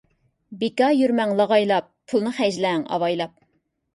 بىكار يۈرمەڭ لاغايلاپ، پۇلنى خەجلەڭ ئاۋايلاپ.